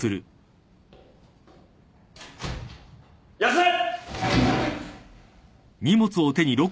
休め！